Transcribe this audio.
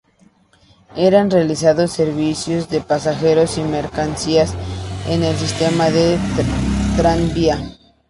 Eran realizados servicios de pasajeros y mercancías, en el sistema de tranvía.